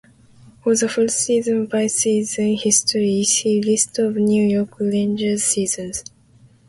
For the full season-by-season history, see List of New York Rangers seasons.